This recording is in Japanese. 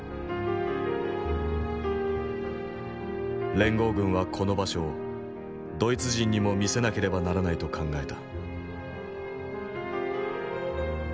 連合軍はこの場所をドイツ人にも見せなければならないと考えた。